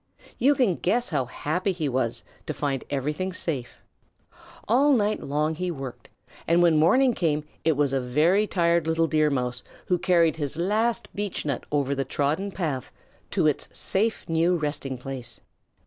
You can guess how happy he was to find everything safe. All night long he worked, and when morning came it was a very tired little Deer Mouse who carried his last beechnut over the trodden path to its safe new resting place.